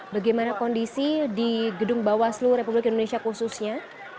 bagaimana kondisi di gedung bawah seluruh republik indonesia khususnya